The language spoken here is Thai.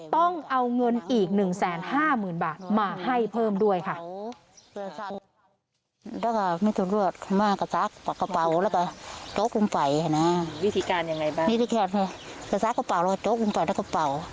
ต้องเอาเงินอีก๑๕๐๐๐บาทมาให้เพิ่มด้วยค่ะ